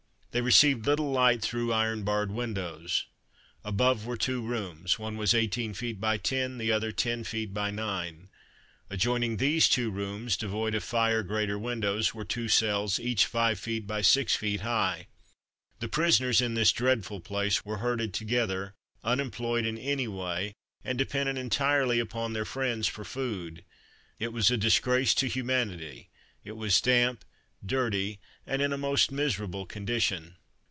They received little light through iron barred windows. Above were two rooms. One was 18 feet by 10, the other 10 feet by 9. Adjoining these two rooms, devoid of fire grate or windows, were two cells, each 5 feet by 6 feet high. The prisoners in this dreadful place, were herded together, unemployed in any way, and dependent entirely upon their friends for food. It was a disgrace to humanity. It was damp, dirty, and in a most miserable condition.